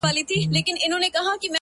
o چي د ښـكلا خبري پټي ساتي؛